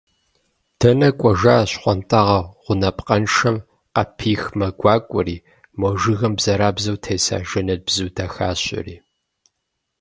Дэнэ кӏуэжа щхъуантӏагъэ гъунапкъэншэм къапих мэ гуакӏуэри, мо жыгым бзэрабзэу теса жэнэт бзу дахащэри…